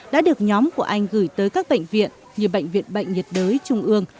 đã được nhóm của anh gửi tới các bệnh viện như bệnh viện bệnh nhiệt đới trung ương